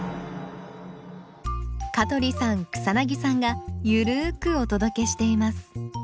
香取さん草さんがゆるくお届けしています